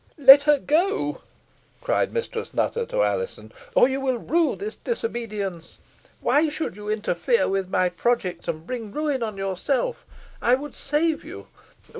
"Let her go," cried Mistress Nutter to Alizon, "or you will rue this disobedience. Why should you interfere with my projects, and bring ruin on yourself! I would save you.